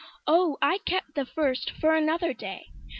Oh, I kept the first for another day!